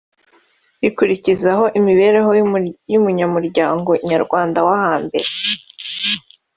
rikurikizaho imibereho y’umuryango Nyarwanda wo hambere